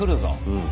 うん。